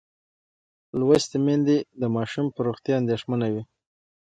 لوستې میندې د ماشوم پر روغتیا اندېښمنه وي.